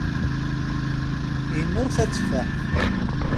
Innuɣ tatefaḥt.